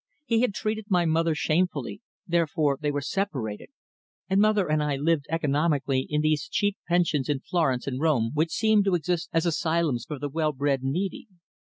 He had treated my mother shamefully, therefore they were separated, and mother and I lived economically in these cheap pensions in Florence and Rome which seem to exist as asylums for the well bred needy.